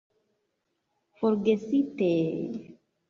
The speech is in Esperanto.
Forgesite...